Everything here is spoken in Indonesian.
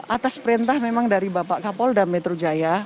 atas perintah memang dari bapak kapol dan metro jaya